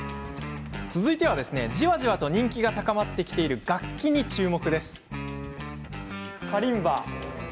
続いては、じわじわと人気が高まってきている楽器に注目。